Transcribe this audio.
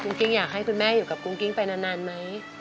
กิ้งอยากให้คุณแม่อยู่กับกุ้งกิ้งไปนานไหม